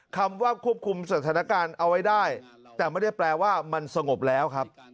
คำว่าควบคุมสถานการณ์เอาไว้ได้แต่ไม่ได้แปลว่ามันสงบแล้วครับ